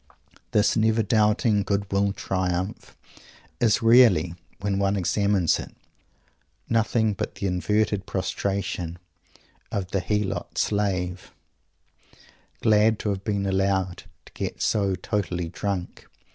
This "never doubting good will triumph" is really, when one examines it, nothing but the inverted prostration of the helot slave, glad to have been allowed to get so totally drunk!